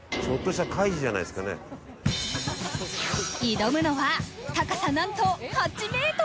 挑むのは高さ、なんと８ｍ。